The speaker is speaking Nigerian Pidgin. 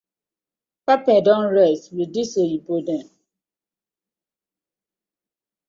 Pepper don rest wit dis oyibo dem.